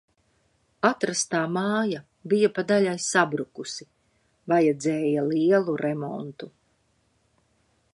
Atrastā māja bija pa daļai sabrukusi, vajadzēja lielu remontu.